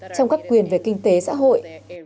trong các quyền về kinh tế xã hội